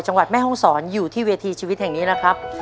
แม่ห้องศรอยู่ที่เวทีชีวิตแห่งนี้นะครับ